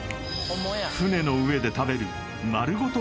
船の上で食べる丸ごと